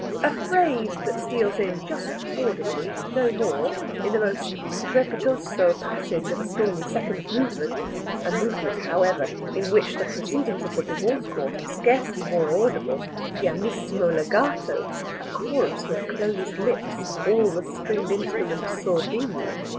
A phrase that steals in, just audibly no more, in the most strepitoso passage of the stormy second movement a movement, however, in which the proceedings of the Divorce Court are scarcely more audible, pianissimo legato, a chorus with closed lips, all the stringed instruments sordini.